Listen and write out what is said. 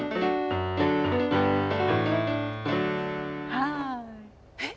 はい。えっ？